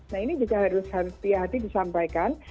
nah ini juga harus hati hati disampaikan